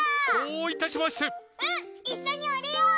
いっしょにおりよう！